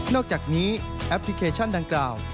อกจากนี้แอปพลิเคชันดังกล่าว